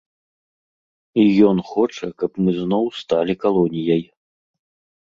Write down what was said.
І ён хоча, каб мы зноў сталі калоніяй.